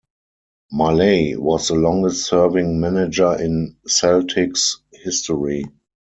Maley was the longest serving manager in Celtic's history.